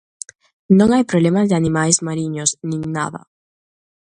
Non hai problemas de animais mariños nin nada.